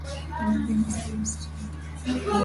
Anapenda sana wasichana